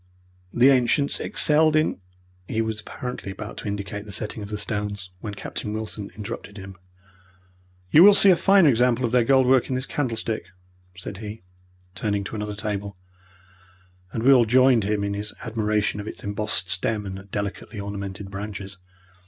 The ancients excelled in " he was apparently about to indicate the setting of the stones, when Captain Wilson interrupted him. "You will see a finer example of their gold work in this candlestick," said he, turning to another table, and we all joined him in his admiration of its embossed stem and delicately ornamented branches.